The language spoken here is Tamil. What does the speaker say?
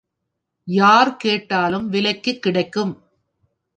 யார் கேட்டாலும் விலைக்குக் கிடைக்கும்.